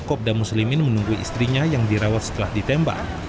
kopda muslimin menunggu istrinya yang dirawat setelah ditembak